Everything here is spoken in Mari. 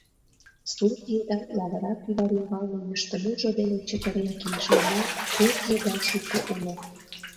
Сурт еда лавыра кӱвар ӱмбалне йӱштымужо дене чытырен кийыше еҥ пӧрт еда шуко уло.